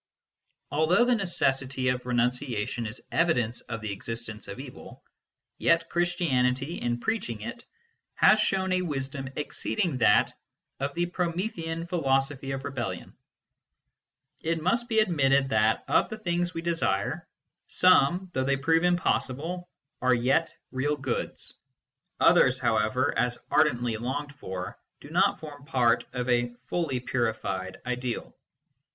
Although the necessity of renunciation is evidence of the existence of evil, yet Christianity, in preaching it, has shown a wisdom exceeding that of the Promethean philosophy of rebellion. It must be admitted that, of the things we desire, some, though they prove impossible, are yet real goods ; others, however, as ardently longed for, do not form part of a fully purified ideal.